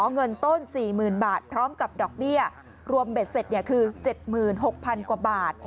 เงินต้น๔๐๐๐บาทพร้อมกับดอกเบี้ยรวมเบ็ดเสร็จคือ๗๖๐๐๐กว่าบาท